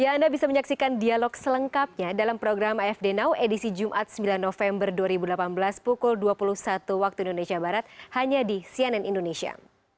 ya anda bisa menyaksikan dialog selengkapnya dalam program afd now edisi jumat sembilan november dua ribu delapan belas pukul dua puluh satu waktu indonesia barat hanya di cnn indonesia